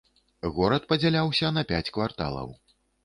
Горад падзяляўся на пяць кварталаў.